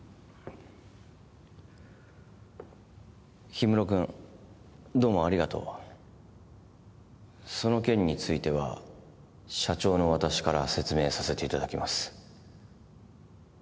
ヒムロくんどうもありがとうその件については社長の私から説明させていただきます